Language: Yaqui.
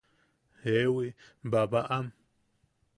–Jewi, babaʼam.